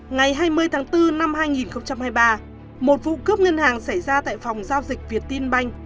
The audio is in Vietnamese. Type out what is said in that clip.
ngày hai mươi tháng bốn năm hai nghìn hai mươi ba một vụ cướp ngân hàng xảy ra tại phòng giao dịch việt tin banh